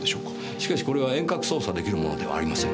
しかしこれは遠隔操作出来るものではありません。